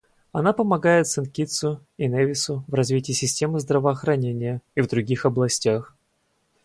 Она помогает Сент-Китсу и Невису в развитии системы здравоохранения и в других областях.